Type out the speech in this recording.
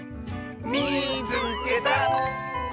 「みいつけた！」。